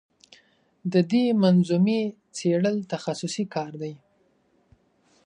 د دې منظومې څېړل تخصصي کار دی.